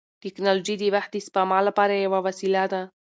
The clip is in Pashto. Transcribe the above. ټیکنالوژي د وخت د سپما لپاره یوه وسیله ده.